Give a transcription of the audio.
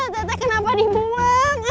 tetek kenapa dibuang